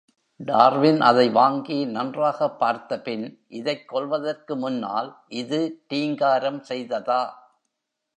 Darwin அதை வாங்கி நன்றாகப் பார்த்தபின் இதைக் கொல்வதற்கு முன்னால், இது ரீங்காரம் செய்ததா?